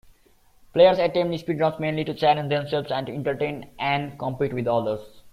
Players attempt speedruns mainly to challenge themselves and to entertain and compete with others.